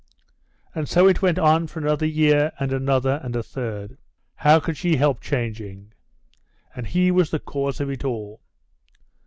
... And so it went on for another year, and another, and a third. How could she help changing? And he was the cause of it all.